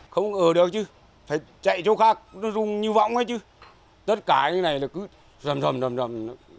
không ở được chứ phải chạy chỗ khác nó rung như võng ấy chứ tất cả cái này là cứ rầm rầm rầm rầm